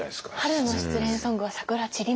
春の失恋ソングは桜散りますよね。